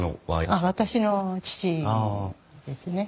あっ私の父ですね。